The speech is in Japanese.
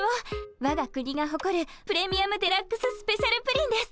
わが国がほこるプレミアムデラックススペシャルプリンです。